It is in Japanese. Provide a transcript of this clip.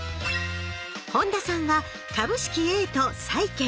本田さんは株式Ａと債券。